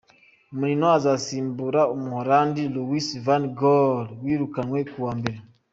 Mourinho azasimbura umuholandi Louis van Gaal wirukanwe ku wa mbere.